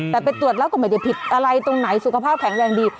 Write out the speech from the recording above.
แต่ไปตรวจแล้วก็ไม่ได้ผิดอะไรตรงไหนสุขภาพแข็งแรงดี